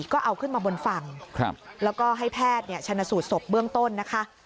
ก็เอาขึ้นมาบนฝั่งแล้วก็ให้แพทย์ชนสูตรศพเบื้องต้นนะคะ